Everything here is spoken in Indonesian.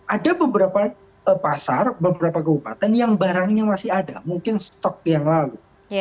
ada beberapa pasar beberapa kabupaten yang barangnya masih ada mungkin stok yang lalu